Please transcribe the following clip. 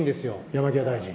山際大臣。